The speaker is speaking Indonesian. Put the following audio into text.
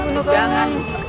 kita mau pergi kemana